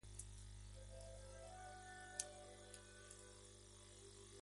Estudió Filosofía y Derecho en la Universidad Central.